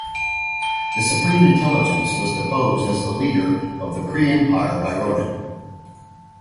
The Supreme Intelligence was deposed as the leader of the Kree Empire by Ronan.